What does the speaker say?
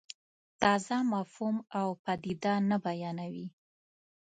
تازه مفهوم او پدیده نه بیانوي.